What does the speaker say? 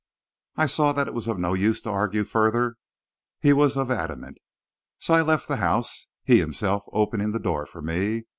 "I saw that it was of no use to argue further; he was of adamant. So I left the house, he himself opening the door for me.